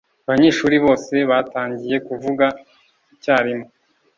Abanyeshuri bose batangiye kuvuga icyarimwe.